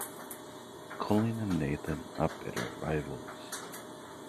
Colin and Nathan are bitter rivals.